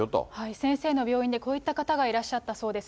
先生の病院で、こういった方がいらっしゃったそうです。